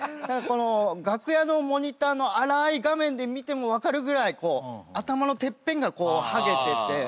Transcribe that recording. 楽屋のモニターの粗い画面で見ても分かるぐらい頭のてっぺんがハゲてて。